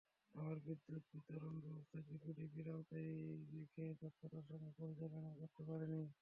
আবার বিদ্যুৎ বিতরণ ব্যবস্থাকে পিডিবির আওতায় রেখে দক্ষতার সঙ্গে পরিচালনাও করতে পারেননি।